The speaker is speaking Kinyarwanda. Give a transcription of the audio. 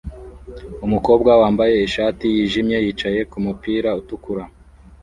Umukobwa wambaye ishati yijimye yicaye kumupira utukura